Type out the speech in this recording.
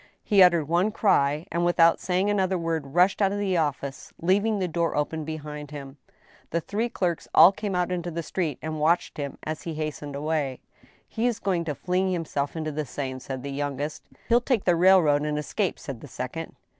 He uttered one cry, and, without saying another word, rushed out of the office, leaving the door open behind him. The three clerks all came out into the street, and watched him as he hastened away. " He is going to fling himself into the Seine," said the youngest. " He'll take the railroad, and escape," said the second.